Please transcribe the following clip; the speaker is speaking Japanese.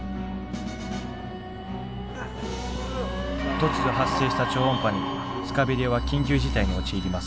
突如発生した「超音波」にスカベリアは緊急事態に陥ります。